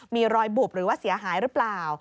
มีรอยบุบหรือว่าเสียหายหรือเปล่า